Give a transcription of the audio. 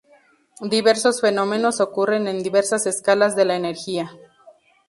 Diversos fenómenos ocurren en diversas escalas de la energía.